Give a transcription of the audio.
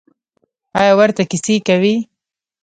ایا ورته کیسې کوئ؟